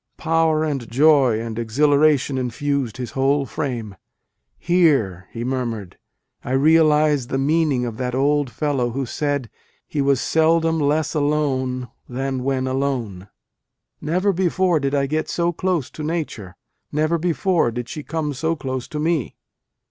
Power and joy and exhilaration infused his whole frame. " Here," he murmured, " I realize the meaning of that old fellow who said he was seldom less alone than when alone. Never before did I get so close to Nature : never before did she come so close to me."